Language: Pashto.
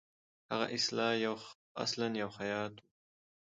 هغه اصلاً یو خیاط وو.